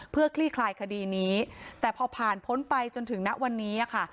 เพื่อคลี่คลายคดีนี้แต่พอผ่านพ้นไปจนถึงณวันนี้ค่ะ